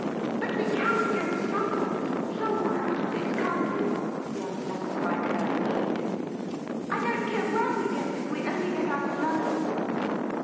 ' But we can go somewhere — somewhere out of this, can't we ?' the unsatisfied girl insisted. ' I don't care where we go, if we only get out of London.'